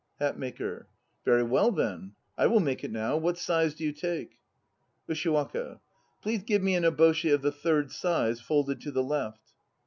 HATMAKER. Very well then; I will make it now. What size do you take? USHIWAKA. Please give me an eboshi of the third size, folded to the left.